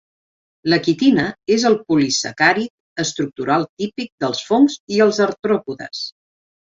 La quitina és el polisacàrid estructural típic dels fongs i els artròpodes.